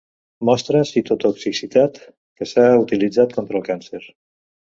Mostra citotoxicitat que s'ha utilitzat contra el càncer.